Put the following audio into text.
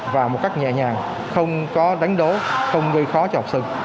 và một cách nhẹ nhàng không có đánh đố không gây khó cho học sinh